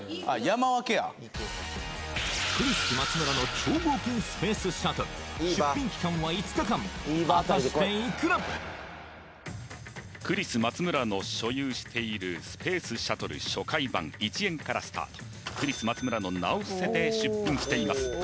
山分けやクリス松村の超合金スペースシャトルクリス松村の所有しているスペースシャトル初回盤１円からスタートクリス松村の名を伏せて出品しています